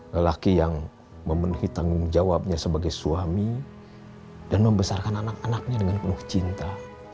lelaki yang memenuhi tanggung jawabnya sebagai suami dan membesarkan anak anaknya dengan penuh cinta